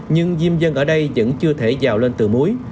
nhưng diêm dân ở đây vẫn chưa thể giàu lên từ muối